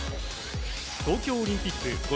東京オリンピック